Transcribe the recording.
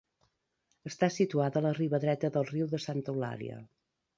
Està situada a la riba dreta del riu de Santa Eulària.